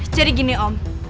jadi gini om